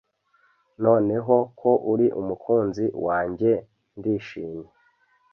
Noneho ko uri umukunzi wanjye, ndishimye.